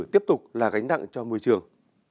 tiếp tục là gánh nặng cho môi trường